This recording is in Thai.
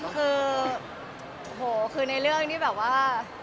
คือโหคือในเรื่องที่แบบว่า